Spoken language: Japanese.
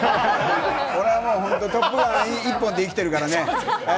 俺は『トップガン』一本で生きてるからね。